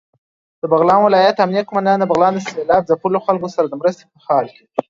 دبغلان ولايت امنيه قوماندان دبغلان د سېلاب ځپلو خلکو سره دمرستې په حال کې